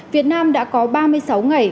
việt nam đã có ba mươi sáu ngày